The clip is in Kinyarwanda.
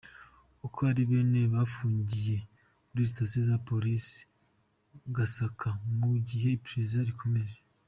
Uko ari bane bafungiye kuri Sitasiyo ya Polisi ya Gasaka mu gihe iperereza rikomeje.